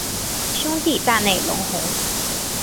兄弟大内隆弘。